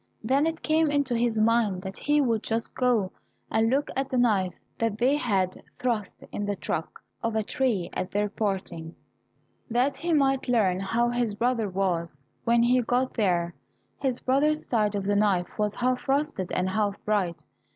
Then it came into his mind that he would just go and look at the knife that they had thrust in the trunk of a tree at their parting, that he might learn how his brother was. When he got there his brother's side of the knife was half rusted, and half bright.